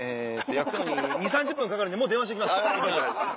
焼くのに２０３０分かかるんでもう電話しときます。